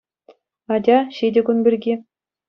Атя, ҫитӗ кун пирки.